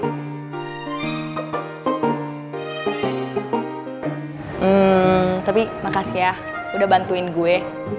hmm tapi makasih ya udah bantuin gue